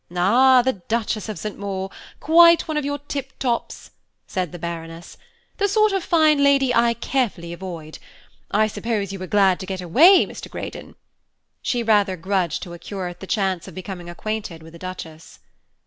"Ah, the Duchess of St. Maur. Quite one of your tip tops," said the Baroness; "the sort of fine lady I carefully avoid. I suppose you were glad to get away, Mr. Greydon." She rather grudged to a curate the chance of becoming acquainted with a Duchess.